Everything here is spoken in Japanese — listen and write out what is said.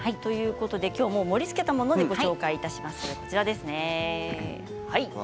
盛りつけたものでご紹介します。